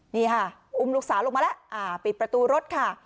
นี่ค่ะอุ้มลูกสาวลงมาแล้วปิดประตูรถค่ะ